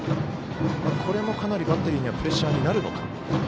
これもかなりバッテリーにはプレッシャーになるのか。